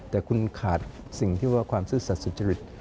แต่คุณขาดสิ่งที่ว่าความซื่อสัตว์สุจริต